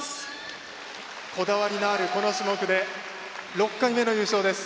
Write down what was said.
こだわりのあるこの種目で６回目の優勝です。